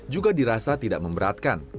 juga dirasa tidak memberatkan